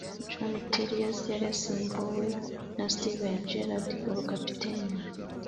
John Terry yari yasimbuwe na Steven Gerrard ku bukapiteni